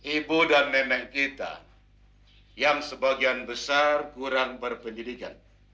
ibu dan nenek kita yang sebagian besar kurang berpendidikan